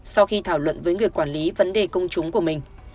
sau khi thảo luận với người quản lý vấn đề công chúng của mình